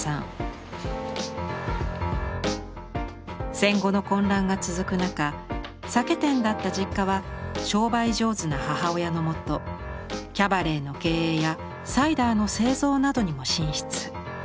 戦後の混乱が続く中酒店だった実家は商売上手な母親のもとキャバレーの経営やサイダーの製造などにも進出。